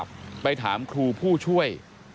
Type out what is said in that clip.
ไปถามครูผู้ช่วย